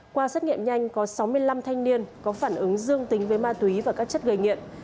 qua xét nghiệm nhanh có sáu mươi năm thanh niên có phản ứng dương tính với ma túy và các chất gây nghiện